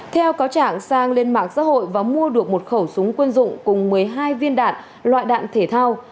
theo cáo trạng sang lên mạng xã hội và mua được một khẩu súng quân dụng cùng một mươi hai viên đạn loại đạn thể thao